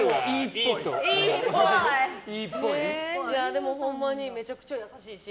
でも、ほんまにめちゃくちゃ優しいし。